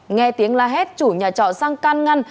nghe tiếng la hét chủ nhà trọ sang can ngăn